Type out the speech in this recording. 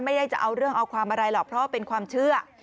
ไม่ได้จะเอาเรื่องเอาความอะไรหรอกเพราะเป็นความเชื่อ